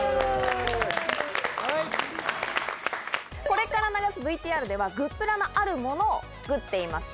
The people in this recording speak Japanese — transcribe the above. これから流すＶＴＲではグップラのあるものを作っています